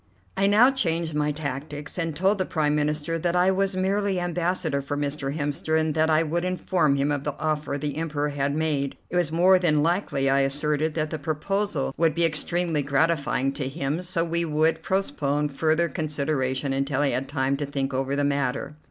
I now changed my tactics, and told the Prime Minister that I was merely Ambassador for Mr. Hemster, and that I would inform him of the offer the Emperor had made. It was more than likely, I asserted, that the proposal would be extremely gratifying to him; so we would postpone further consideration until he had time to think over the matter.